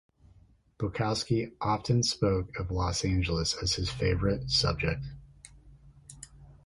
Bukowski often spoke of Los Angeles as his favorite subject.